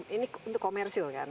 ini untuk komersil kan